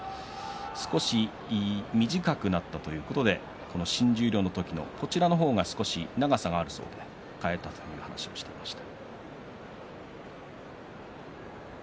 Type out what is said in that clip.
少し短くなったということでこの新十両の時のこちらの方が少し長さがあるそうで替えたという話をしていました。